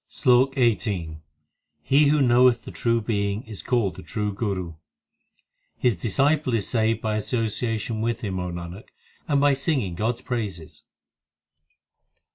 SLOK XVIII He who knoweth the True Being is called the true Guru l ; His disciple is saved by association with him, O Nanak, and by singing God s praises.